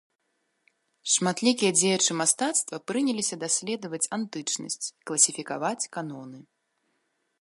Шматлікія дзеячы мастацтва прыняліся даследаваць антычнасць, класіфікаваць каноны.